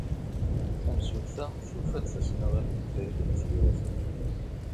Tamsulta tufa-d tasnasɣalt n Farid n At Yiraten.